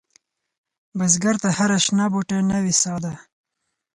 بزګر ته هره شنه بوټۍ نوې سا ده